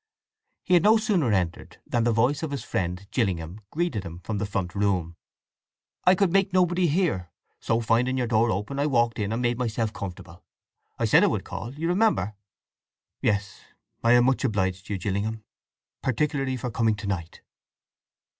He had no sooner entered than the voice of his friend Gillingham greeted him from the front room. "I could make nobody hear; so finding your door open I walked in, and made myself comfortable. I said I would call, you remember." "Yes. I am much obliged to you, Gillingham, particularly for coming to night."